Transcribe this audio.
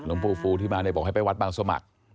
ลุงปู่ฟูที่มาเลยบอกให้ไปวัดบางสมัคร